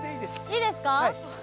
いいですか？